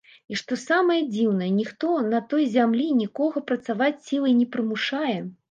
І што самае дзіўнае, ніхто на той зямлі нікога працаваць сілай не прымушае.